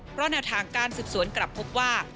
เพราะแนวทางการสืบสวนกลับพบว่า